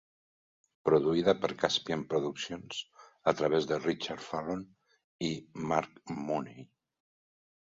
Produïda per Caspian Productions a través de Richard Fallon i Mark Mooney.